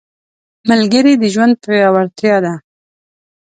ملګری د ژوند پیاوړتیا ده